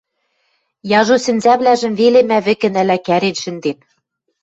Яжо сӹнзӓвлӓжӹм веле мӓ вӹкӹнӓлӓ кӓрен шӹнден.